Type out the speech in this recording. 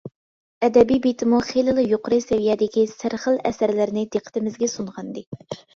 ئەدەبىي بېتىمۇ خېلىلا يۇقىرى سەۋىيەدىكى سەرخىل ئەسەرلەرنى دىققىتىمىزگە سۇنغانىدى.